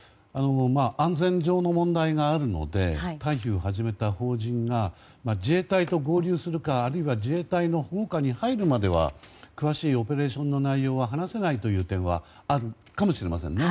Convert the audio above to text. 安全上の問題があるので退避を始めた邦人が自衛隊と合流するかあるいは自衛隊の保護下に入るまでは詳しいオペレーションの内容は話せないという点はあるかもしれませんね。